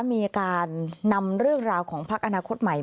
มีการนำเรื่องราวของพักอนาคตใหม่